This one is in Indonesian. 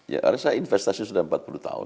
ya karena saya investasi sudah empat puluh tahun